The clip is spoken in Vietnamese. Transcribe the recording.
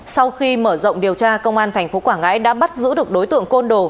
sau khi mở rộng điều tra công an tp quảng ngãi đã bắt giữ được đối tượng côn đồ